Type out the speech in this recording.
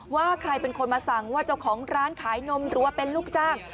ว่าใครเป็นคนมาสั่งว่าเจ้าของร้านขายนมหรือว่าเป็นลูกจ้าง